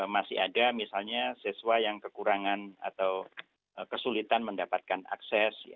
masih ada misalnya siswa yang kekurangan atau kesulitan mendapatkan akses